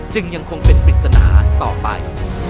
ยังคงเป็นปริศนาต่อไป